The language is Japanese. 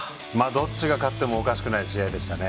どっちが勝ってもおかしくない試合でしたね。